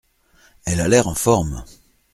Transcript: Elle a l’air en forme.